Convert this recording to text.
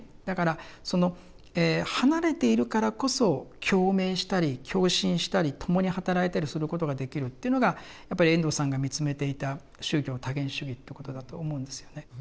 だからその離れているからこそ共鳴したり共振したり共に働いたりすることができるっていうのがやっぱり遠藤さんが見つめていた宗教多元主義ということだと思うんですよね。